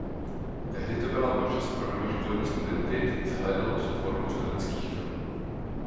Tehdy to byla možnost pro mimoškolní studenty zhlédnout tvorbu studentských filmů.